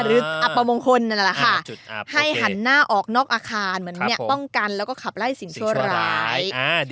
อัปมงคลนั่นแหละค่ะให้หันหน้าออกนอกอาคารเหมือนป้องกันแล้วก็ขับไล่สิ่งชั่วร้าย